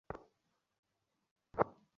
আমার মতে সে পারবে।